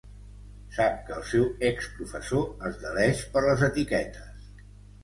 Sap que el seu exprofessor es deleix per les etiquetes.